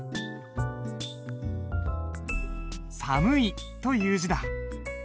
「寒い」という字だ。